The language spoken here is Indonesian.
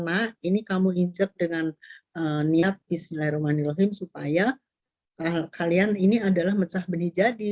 nah ini kamu hijab dengan niat bismillahirrahmanirrahim supaya kalian ini adalah mecah benih jadi